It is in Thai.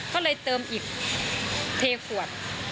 ก็เลยเติมอีกเทขวด